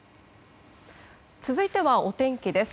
続いてはお天気です。